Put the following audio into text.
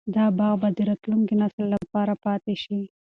دا باغ به د راتلونکي نسل لپاره پاتې شي.